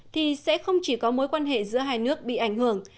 thì sẽ không chỉ có mối quan hệ giữa hai nước bị ảnh hưởng